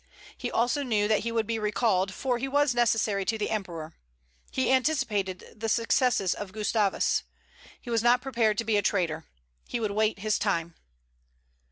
He also knew that he would be recalled, for he was necessary to the Emperor. He anticipated the successes of Gustavus. He was not prepared to be a traitor. He would wait his time.